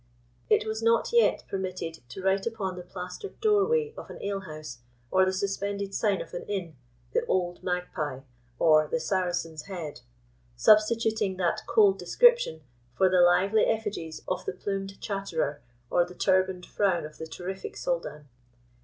It was not yet permitted to write upon the plastered doorway of an alehouse, or the suspended sign of an inn, "The Old Magpie," or "The Saracen's Head," substituting that cold description for the lively effigies of the plumed chatterer, or the turban'd frown of the terrific soldan.